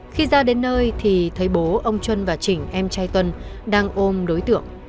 khi ra đến nơi thì thấy bố ông chuân và trỉnh em trai tuân đang ôm đối tượng